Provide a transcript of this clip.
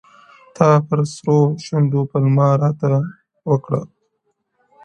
• تا پر سرو شونډو پلمې راته اوډلای,